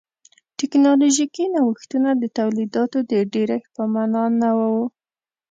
ټکنالوژیکي نوښتونه د تولیداتو د ډېرښت په معنا نه و.